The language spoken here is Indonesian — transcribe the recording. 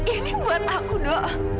ini buat aku do